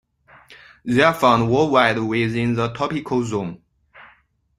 They are found worldwide within the tropical zone.